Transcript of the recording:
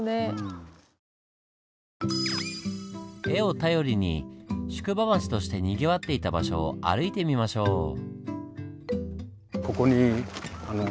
絵を頼りに宿場町としてにぎわっていた場所を歩いてみましょう。